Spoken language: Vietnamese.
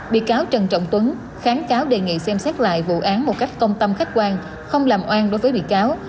bị cáo trần trọng tuấn kháng cáo đề nghị xem xét lại vụ án một cách công tâm khách quan không làm oan đối với bị cáo